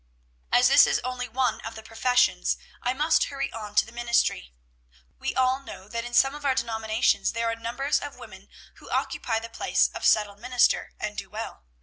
"As this is only one of the professions, I must hurry on to the ministry. We all know that in some of our denominations there are numbers of women who occupy the place of settled minister, and do well.